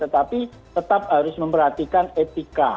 tetapi tetap harus memperhatikan etika